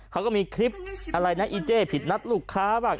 เขาก็มีคลิปอะไรนะอีเจ๊ผิดนัดลูกค้าบ้าง